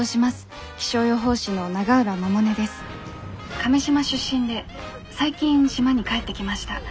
「亀島出身で最近島に帰ってきました。